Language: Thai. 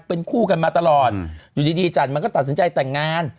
เป็นคู่กันมาตลอดอยู่ดีจันมันก็ตัดสินใจแต่งงาน